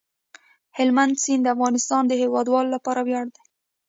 هلمند سیند د افغانستان د هیوادوالو لپاره ویاړ دی.